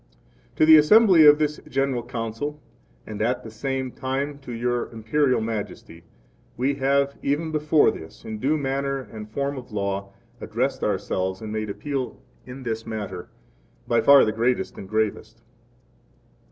22 To the assembly of this General Council, and at the same time to Your Imperial Majesty, we have, even before this, in due manner and form of law, addressed ourselves and made appeal in this matter, by far the greatest and gravest.